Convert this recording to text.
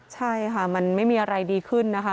ใช่ค่ะมันไม่มีอะไรดีขึ้นนะคะ